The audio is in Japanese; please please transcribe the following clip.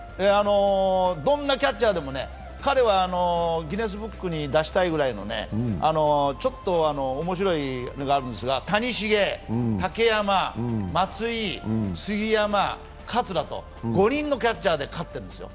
どんなキャッチャーでも、彼はギネスブックに出したいくらいのちょっと面白いのがあるんですが、谷繁、竹山、杉山、桂、５人のキャッチャーで勝っているんですよ。